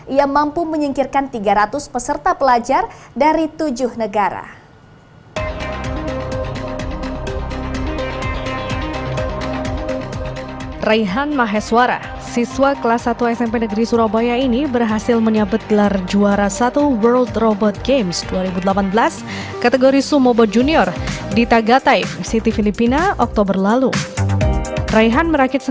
ia mampu menyingkirkan tiga ratus peserta pelajar dari tujuh negara